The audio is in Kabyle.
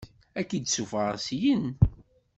Ad k-id-ssuffɣeɣ syin.